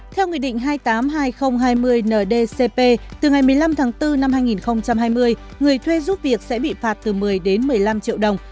theo nghị định hai mươi tám hai nghìn hai mươi ndcp từ ngày một mươi năm tháng bốn năm hai nghìn hai mươi người thuê giúp việc sẽ bị phạt từ một mươi đến một mươi năm triệu đồng